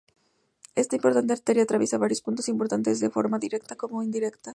Esta importante arteria atraviesa varios puntos importantes de forma directa como indirecta.